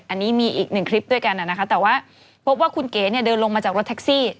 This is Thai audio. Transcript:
อันนี้มีอีกหนึ่งคลิปด้วยกันนะคะแต่ว่าพบว่าคุณเก๋เนี่ยเดินลงมาจากรถแท็กซี่